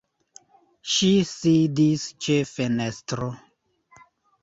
Ŝi sidis ĉe fenestro.